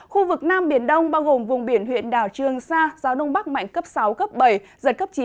khu vực nam biển đông bao gồm vùng biển huyện đảo trương sa gió đông bắc mạnh cấp sáu cấp bảy giật cấp chín